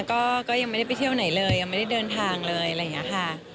ก็ยังไม่ได้ไปเที่ยวไหนเลยยังไม่ได้เดินทางเลยอะไรอย่างนี้ค่ะ